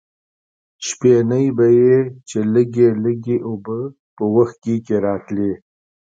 شپېنۍ به یې چې لږې لږې اوبه په وښکي کې راتلې.